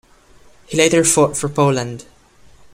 He later fought for Poland.